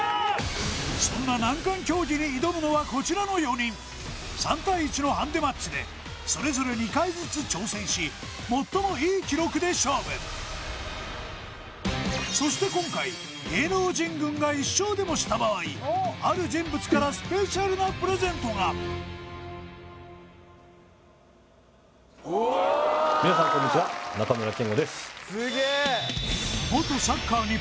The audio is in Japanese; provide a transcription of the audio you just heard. そんな難関競技に挑むのはこちらの４人３対１のハンデマッチでそれぞれそして今回芸能人軍が１勝でもした場合ある人物からスペシャルなプレゼントが皆さんこんにちは中村憲剛です